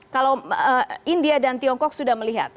kalau india dan tiongkok sudah melihat